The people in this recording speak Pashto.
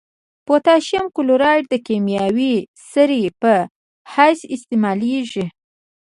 پوتاشیم کلورایډ د کیمیاوي سرې په حیث استعمالیږي.